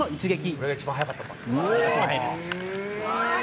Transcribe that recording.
これが一番速かったんだ。